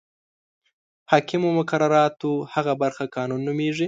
حاکمو مقرراتو هغه برخه قانون نومیږي.